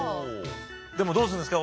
でもどうするんですか？